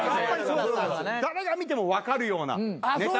誰が見ても分かるようなネタ